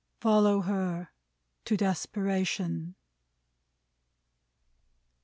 "Follow her! To desperation!"